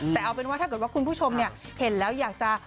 แต่เอาเป็นว่าถ้าเกิดว่าคุณผู้ชมเนี่ย